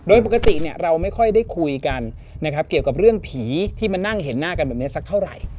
โดยปกติเนี่ยเราไม่ค่อยได้คุยกันนะครับเกี่ยวกับเรื่องผีที่มานั่งเห็นหน้ากันแบบนี้สักเท่าไหร่